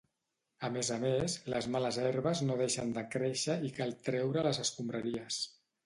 A més a més, les males herbes no deixen de créixer i cal treure les escombraries.